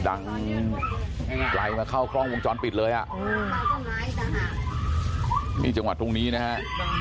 ดังไกลมาเข้าคลองวงจรปิดเลยมีจังหวะตรงนี้นะฮะ